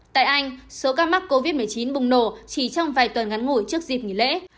tại anh số ca mắc covid một mươi chín bùng nổ chỉ trong vài tuần ngắn ngủi trước dịp nghỉ lễ